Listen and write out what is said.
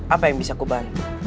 apa yang bisa kubantu